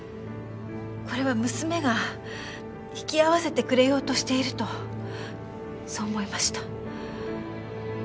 これは娘が引き合わせてくれようとしているとそう思いました。